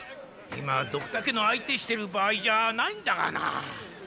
今ドクタケの相手してる場合じゃないんだがなあ。